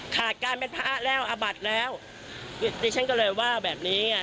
ขาดการเป็นพระแล้วอาบัติแล้วดิฉันก็เลยว่าแบบนี้ไง